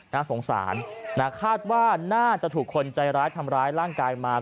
น่าสงสารนะคาดว่าน่าจะถูกคนใจร้ายทำร้ายร่างกายมา